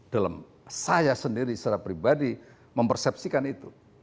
dalam saya sendiri secara pribadi mempersepsikan itu